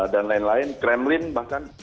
dan lain lain kremlin bahkan